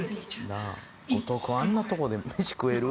後藤君あんなとこで飯食える？